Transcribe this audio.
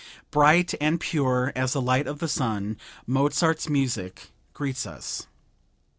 Bright and pure as the light of the sun, Mozart's music greets us.